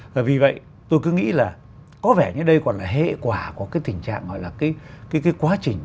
và vì vậy tôi cứ nghĩ là có vẻ như đây còn là hệ quả của cái tình trạng gọi là cái quá trình